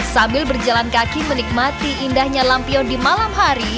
sambil berjalan kaki menikmati indahnya lampion di malam hari